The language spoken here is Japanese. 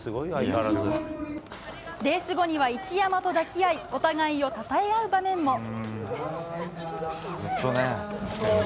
レース後には一山と抱き合いお互いをたたえ合う場面も。